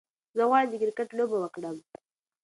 زه غواړم چې د کرکت لوبه وکړم.